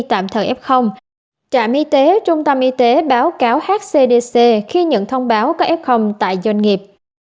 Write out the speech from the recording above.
tạm thời f trạm y tế trung tâm y tế báo cáo hcdc khi nhận thông báo có f tại doanh nghiệp